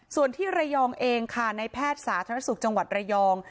ส่วนที่ระยองเองค่ะในแพทย์สาธารณสุขจังหวัดระยอง